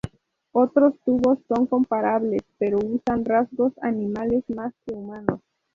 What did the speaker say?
Otros tubos son comparables, pero usan rasgos animales más que humanos.